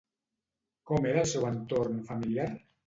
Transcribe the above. Com era el seu entorn familiar?